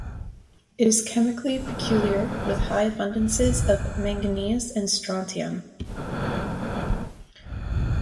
It is chemically peculiar, with high abundances of manganese and strontium.